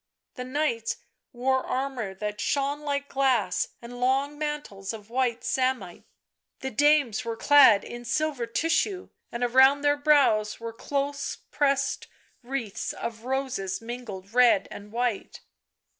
The knights wore armour that shone like glass, and long mantles of white samite ; the dames were clad in silver tissue, and around their brows were close pressed wreaths of roses mingled red and white.